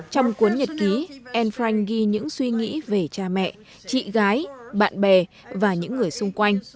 trong cuốn nhật ký anne frank ghi những suy nghĩ về cha mẹ chị gái bạn bè và những người xung quanh